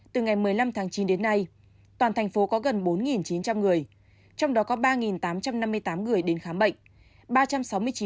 từ ngày một mươi năm tháng chín đến nay toàn thành phố có gần bốn chín trăm linh người trong đó có ba tám trăm năm mươi tám người đến khám bệnh